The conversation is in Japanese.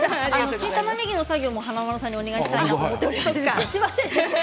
新たまねぎの作業も華丸さんにお願いしたいんです。